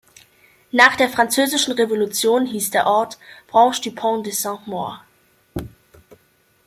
Nach der Französischen Revolution hieß der Ort "Branche du Pont de Saint-Maur".